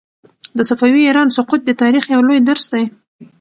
د صفوي ایران سقوط د تاریخ یو لوی درس دی.